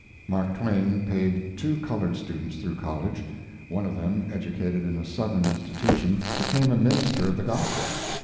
[Mark Twain paid two colored students through college. One of them, educated in a Southern institution, became a minister of the gospel.